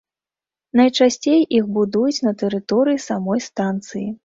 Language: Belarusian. Найчасцей іх будуюць на тэрыторыі самой станцыі.